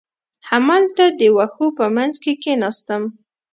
همالته د وښو په منځ کې کېناستم.